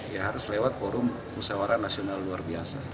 ya harus lewat forum musawara nasional luar biasa